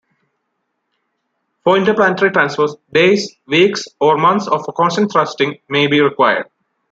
For interplanetary transfers, days, weeks or months of constant thrusting may be required.